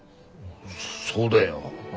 そうだよ。